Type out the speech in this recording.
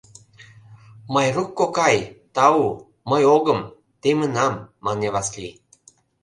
— Майрук кокай, тау, мый огым, темынам, — мане Васлий.